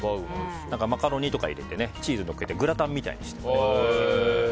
マカロニとか入れてチーズのっけてグラタンみたいにしてもおいしいと思います。